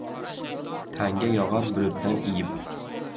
Tanga yog‘ar bulutdan iyib